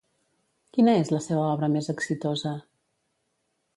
Quina és la seva obra més exitosa?